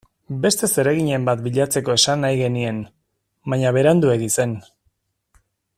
Beste zereginen bat bilatzeko esan nahi genien, baina Beranduegi zen.